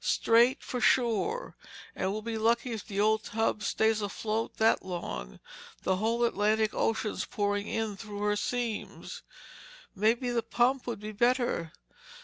"Straight for shore, and we'll be lucky if the old tub stays afloat that long. The whole Atlantic Ocean's pouring in through her seams." "Maybe the pump would be better?"